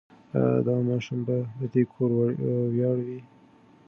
ایا دا ماشوم به د دې کور ویاړ وي؟